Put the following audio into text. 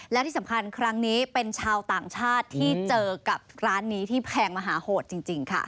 และที่สำคัญครั้งนี้เป็นชาวต่างชาติที่เจอกับร้านนี้ที่แพงมหาโหดจริงค่ะ